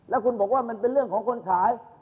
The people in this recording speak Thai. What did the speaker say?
แล้วคุณบอกว่ามันเป็นเรื่องของคนขาย